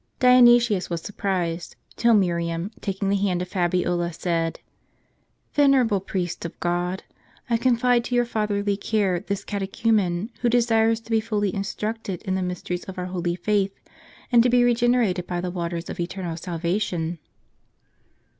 Dionysius was surprised, till Miriam, taking the hand of Fabiola, said :" Venerable priest of God, I confide to your fatherly care this catechumen, who desires to be fully instructed in the mysteries of our holy faith, and to be regenerated by the waters of eternal salvation."